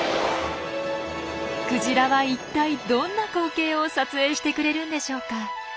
クジラはいったいどんな光景を撮影してくれるんでしょうか。